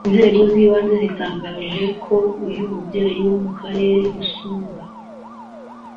Inzego z’ibanze zatangaje ko uyu mubyeyi wo mu Kagari Rusura